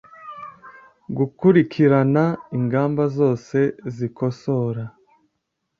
gukurikirana ingamba zose zikosora